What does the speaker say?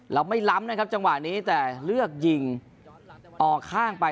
เราไม่ล้ำนะครับจังหวะนี้แต่เลือกยิงออกข้างไป